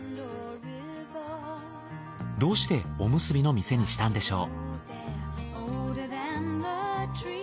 どうしておむすびの店にしたんでしょう？